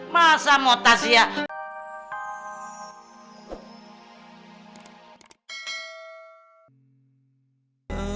masa mau tas ya